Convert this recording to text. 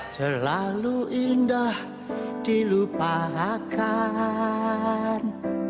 selalu indah dilupakan